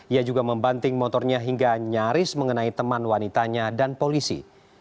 ia juga membanting motornya hingga nyaris mengenai teman wanitanya dan polisi